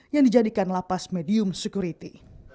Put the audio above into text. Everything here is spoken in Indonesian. yang dijadikan lapas medium security